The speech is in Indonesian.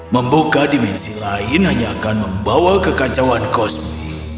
membuka dimensi lain hanya akan membawa kekacauan kosmu